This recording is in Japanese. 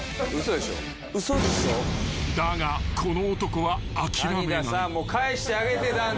［だがこの男は諦めない］